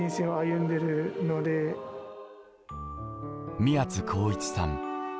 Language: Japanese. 宮津航一さん。